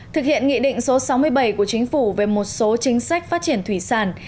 thực hiện nghị định số sáu mươi bảy của chính phủ về một số chính sách phát triển thủy sản